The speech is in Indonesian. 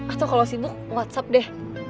atau kalau sibuk whatsapp deh